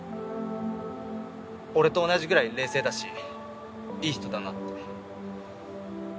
俺と同じぐらい冷静だしいい人だなって。